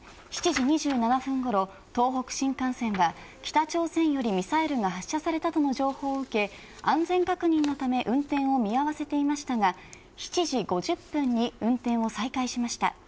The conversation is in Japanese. ７時２７分ごろ東北新幹線は北朝鮮よりミサイルが発射されたとの情報を受け安全確認のため運転を見合わせていましたが７時５０分に運転を再開しました。